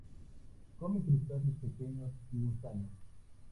Come crustáceos pequeños y gusanos.